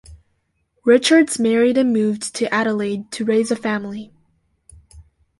Richards married and moved to Adelaide to raise a family.